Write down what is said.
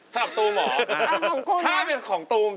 สำหรับตูมเหรอถ้าเป็นของตูมของกุมนะ